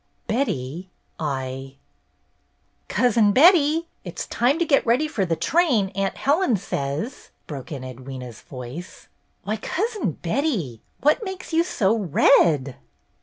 "Betty, I—" "Cousin Betty, it 's time to get ready for the train. Aunt Helen says," broke in Edwyna's voice. "Why, Cousin Betty, what makes you so red?"